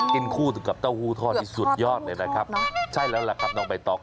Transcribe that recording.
ใช่คือเกือบทอดเต้าหู้ทอดเนอะใช่แล้วล่ะครับน้องใบตอง